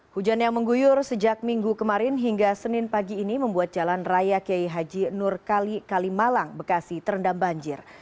hujan yang mengguyur sejak minggu kemarin hingga senin pagi ini membuat jalan raya kiai haji nur kalimalang bekasi terendam banjir